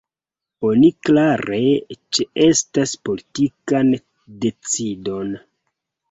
Oni klare ĉeestas politikan decidon.